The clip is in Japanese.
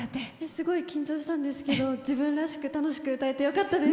すごい緊張したんですけど自分らしく楽しく歌えてよかったです。